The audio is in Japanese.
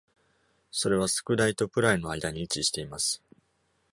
それはスクダイとプライの間に位置しています。